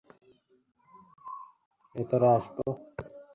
ভেতরে আসবো?